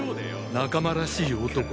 仲間らしい男